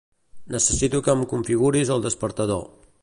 Necessito que em configuris el despertador.